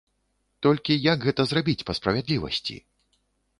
Толькі як гэта зрабіць па справядлівасці?